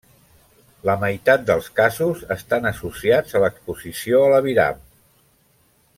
La meitat dels casos estan associats a l'exposició a l'aviram.